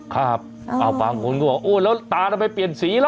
ครับเอ้าบางคนก็บอกโอ้ยแล้วตานั้นไปเปลี่ยนสีแล้ว